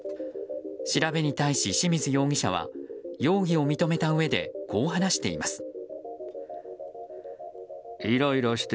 調べに対し、清水容疑者は容疑を認めたうえでこう話しています。